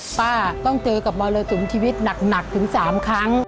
ป้าต้องเจอกับมรสุมชีวิตหนักถึง๓ครั้ง